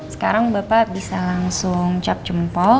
sekarang bapak bisa langsung cap jempol